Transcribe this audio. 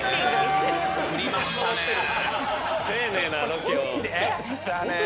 丁寧なロケを。